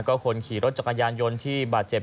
ก็คนขี่รถจักรยานยนต์ที่บาดเจ็บ